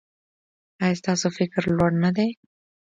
ایا ستاسو فکر لوړ نه دی؟